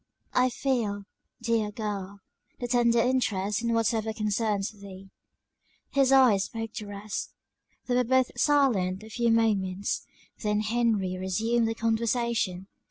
"I feel, dear girl, the tendered interest in whatever concerns thee." His eyes spoke the rest. They were both silent a few moments; then Henry resumed the conversation.